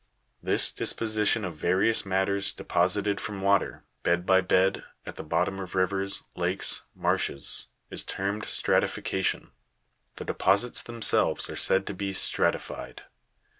This disposition of various matters deposited from water, bed by bed, at the bottom of rivers, lakes, marshes, is termed strati fication ; the deposits themselves are said to be stratified.